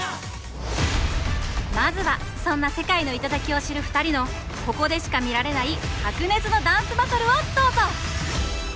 まずはそんな世界の頂を知る２人のここでしか見られない白熱のダンスバトルをどうぞ！